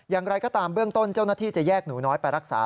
อย่างไรก็ตามเบื้องต้นเจ้าหน้าที่จะแยกหนูน้อยไปรักษา